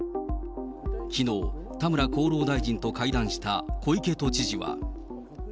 きのう、田村厚労大臣と会談した小池都知事は。